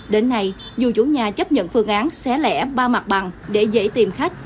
đến nay dù chủ nhà chấp nhận phương án xé lẻ ba mặt bằng để dễ tìm khách